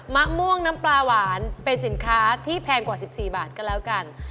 มะม่วงน้ำปลาหวานเป็นสินค้าที่แพงกว่า๑๔บาทก็แล้วกัน